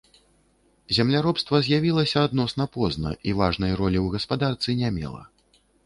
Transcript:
Земляробства з'явілася адносна позна і важнай ролі ў гаспадарцы не мела.